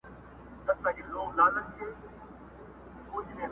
د کرونا له تودې تبي څخه سوړ سو،